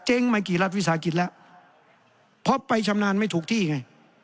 มากี่รัฐวิสาหกิจแล้วเพราะไปชำนาญไม่ถูกที่ไง